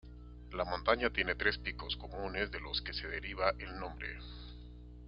La montaña tiene tres picos comunes de los que se deriva el nombre.